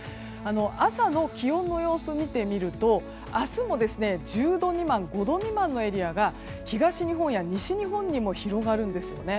朝の気温の様子を見てみると明日も１０度未満５度未満のエリアが東日本や西日本にも広がるんですね。